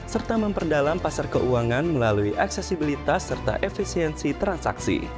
serta memperdalam pasar keuangan melalui aksesibilitas serta efisiensi transaksi